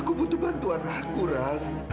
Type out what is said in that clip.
kami bernama raul ibu